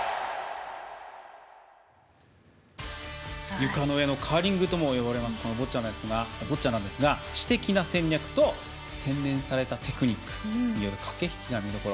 床の上のカーリングとも呼ばれるボッチャですが知的な戦略と洗練されたテクニックによる駆け引きが見どころ。